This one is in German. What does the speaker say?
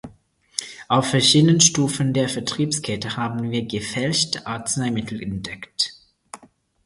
Auf verschiedenen Stufen der Vertriebskette haben wir gefälschte Arzneimittel entdeckt.